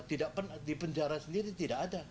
tidak pernah di penjara sendiri tidak ada